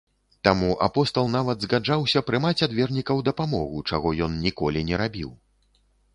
Таму апостал нават згаджаўся прымаць ад вернікаў дапамогу, чаго ён ніколі не рабіў.